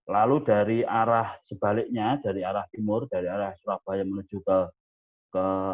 lalu dari arah sebaliknya dari arah timur dari arah surabaya menuju ke